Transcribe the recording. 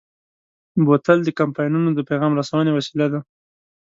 بوتل د کمپاینونو د پیغام رسونې وسیله ده.